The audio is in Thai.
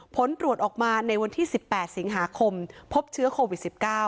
ผลตรวจออกมาในวันที่๑๘สิงหาคมพบเชื้อโควิด๑๙